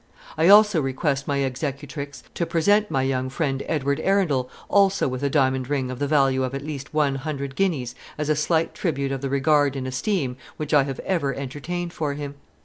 I also request my executrix to present my young friend Edward Arundel also with a diamond ring of the value of at least one hundred guineas as a slight tribute of the regard and esteem which I have ever entertained for him.